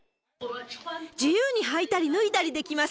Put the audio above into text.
自由に履いたり脱いだりできます。